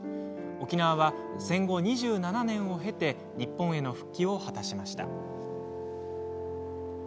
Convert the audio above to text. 沖縄は戦後２７年を経て日本への復帰を果たしました。